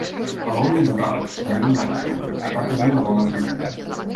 "Alone in the Dark: The New Nightmare" va tenir una bona acollida.